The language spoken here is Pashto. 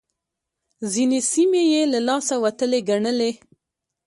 ځينې سيمې يې له لاسه وتلې ګڼلې.